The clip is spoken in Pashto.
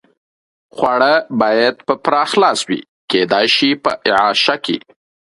خواړه باید په پراخه لاس وي، کېدای شي په اعاشه کې.